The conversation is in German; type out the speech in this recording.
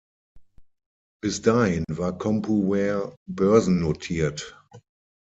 Bis dahin war Compuware börsennotiert.